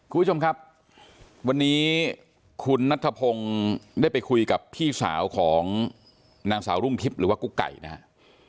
คุณผู้ชมครับวันนี้คุณนัทธพงศ์ได้ไปคุยกับพี่สาวของนางสาวรุ่งทิพย์หรือว่ากุ๊กไก่นะครับ